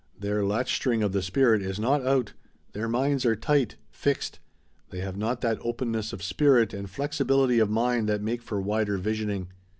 Their latch string of the spirit is not out. Their minds are tight fixed. They have not that openness of spirit and flexibility of mind that make for wider visioning.